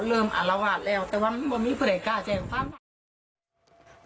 เริ่มอารวาสแล้วแต่ว่าวันนี้ก็ไม่ได้กล้าใช้